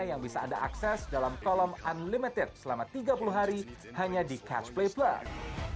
yang bisa anda akses dalam kolom unlimited selama tiga puluh hari hanya di catch play plus